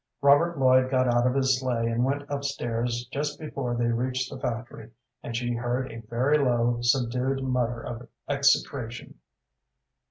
Robert Lloyd got out of his sleigh and went up stairs just before they reached the factory, and she heard a very low, subdued mutter of execration.